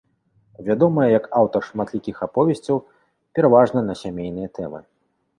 Вядомая як аўтар шматлікіх аповесцяў, пераважна на сямейныя тэмы.